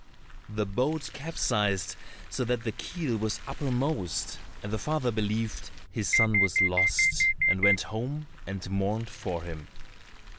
The boat capsized so that the keel was uppermost, and the father believed his son was lost, and went home and mourned for him.